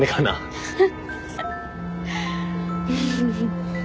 フフフ。